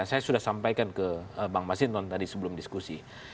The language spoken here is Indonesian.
saya sudah sampaikan ke bang mas hinton tadi sebelum diskusi